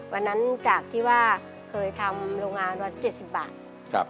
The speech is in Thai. วันนั้นจากที่ว่าเคยทำโรงงานวัน๗๐บาท